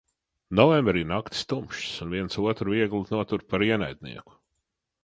Novembrī naktis tumšas un viens otru viegli notura par ienaidnieku.